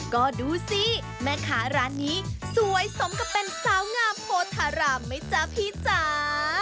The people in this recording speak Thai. ก็ดูสิแม่ค้าร้านนี้สวยสมกับเป็นสาวงามโพธารามไหมจ๊ะพี่จ๋า